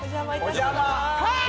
・お邪魔。